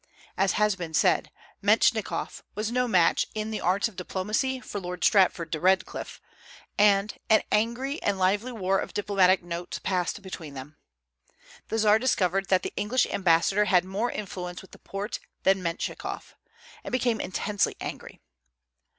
As has been said, Mentchikof was no match in the arts of diplomacy for Lord Stratford de Redcliffe, and an angry and lively war of diplomatic notes passed between them. The Czar discovered that the English ambassador had more influence with the Porte than Mentchikof, and became intensely angry.